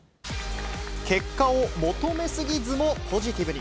結果を求めすぎずも、ポジティブに。